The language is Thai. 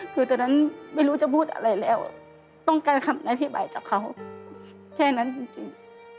คือตอนนั้นไม่รู้จะพูดอะไรแล้วต้องการคำอธิบายจากเขาแค่นั้นจริง